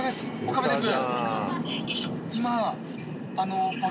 岡部です。